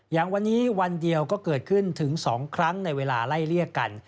อย่างวันนี้วันเดียวก็เกิดขึ้นถึง๒ครั้งในเวลาไล่เลี่ยกัน